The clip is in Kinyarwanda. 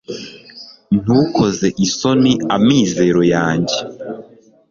ntukoze isoni amizero yanjye